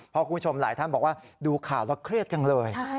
เพราะคุณผู้ชมหลายท่านบอกว่าดูข่าวแล้วเครียดจังเลย